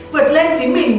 vượt lên chính mình